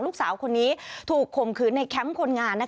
ลูกสาวคนนี้ถูกข่มขืนในแคมป์คนงาน